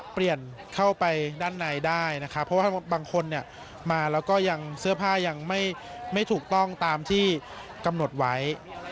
เพราะว่าบางคนมาแล้วก็ยังเสื้อผ้ายังไม่ถูกต้องตามที่กำหนดไว้